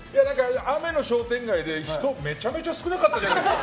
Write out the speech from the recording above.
雨の商店街で人めちゃめちゃ少なかったじゃないですか。